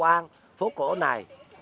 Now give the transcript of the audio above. ở trong khu vực này